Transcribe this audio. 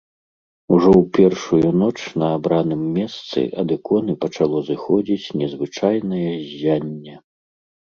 Ужо ў першую ноч на абраным месцы ад іконы пачало зыходзіць незвычайнае ззянне.